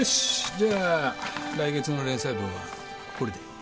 じゃあ来月の連載分はこれで。